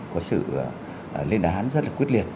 có sự lên đá hắn rất là quyết liệt